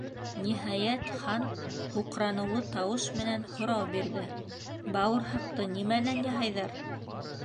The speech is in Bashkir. Ниһайәт, Хан һуҡраныулы тауыш менән һорау бирҙе: —Бауырһаҡты нимәнән яһайҙар?